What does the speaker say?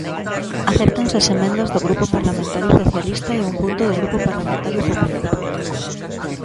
Acéptanse as emendas do Grupo Parlamentario Socialista e un punto do Grupo Parlamentario Popular.